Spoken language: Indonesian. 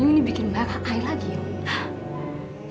ini bikin marah saya lagi yuk